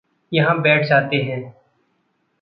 यहाँ बैठ जाते है।